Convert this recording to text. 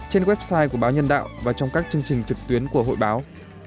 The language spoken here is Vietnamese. trên website của báo nhân đạo và trong các chương trình trực tuyến của hội báo